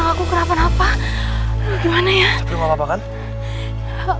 gue bakalan bantuin selosain masalah lo